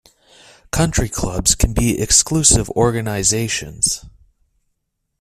Country clubs can be exclusive organizations.